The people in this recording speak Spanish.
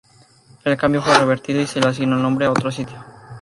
El cambio fue revertido y se le asignó el nombre a otro sitio.